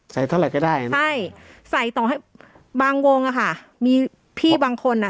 เท่าไหร่ก็ได้นะใช่ใส่ต่อให้บางวงอ่ะค่ะมีพี่บางคนอ่ะ